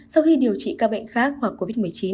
sau khi điều trị các bệnh khác hoặc covid một mươi chín